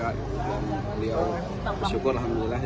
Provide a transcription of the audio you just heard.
dan beliau bersyukur alhamdulillah